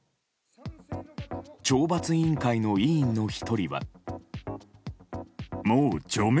懲罰委員会の委員の１人は。